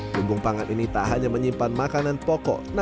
lumbung pangan ini tak hanya menyimpan makanan pokok